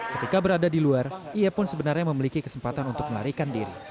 ketika berada di luar ia pun sebenarnya memiliki kesempatan untuk melarikan diri